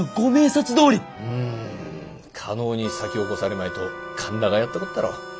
うん加納に先を越されまいと神田がやったこったろう。